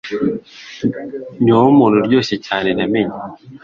ni wowe muntu uryoshye cyane namenye